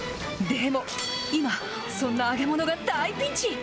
でも、今、そんな揚げ物が大ピンチ。